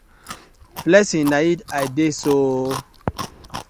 Flexing na it I dey so ooo.